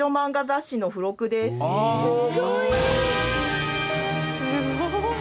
すごい。